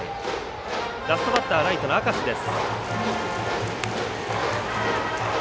ラストバッターライトの明石です。